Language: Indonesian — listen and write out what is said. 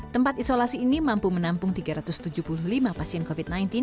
tempat isolasi ini mampu menampung tiga ratus tujuh puluh lima pasien covid sembilan belas